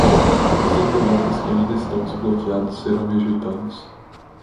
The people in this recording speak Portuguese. Os envelopes que ainda estão desbloqueados serão rejeitados.